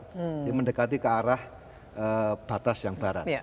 jadi mendekati ke arah batas yang barat